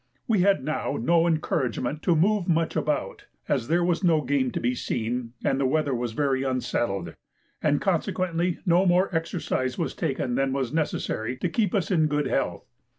We had now no encouragement to move much about, as there was no game to be seen, and the weather was very unsettled, and consequently no more exercise was taken than was necessary to keep us in good health.